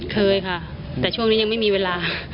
เคยค่ะแต่ช่วงนี้ยังไม่มีเวลา